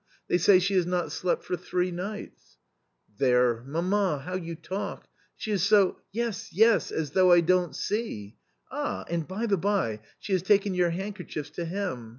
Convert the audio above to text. They say she has not slept foFthree nights 1" " There ! Mamma ! how you talk ! She is so "" Yes, yes ! as though I don't see. Ah, and, by the by, she has taken your handkerchiefs to hem.